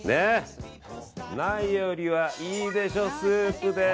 ないよりはいいでしょうスープです。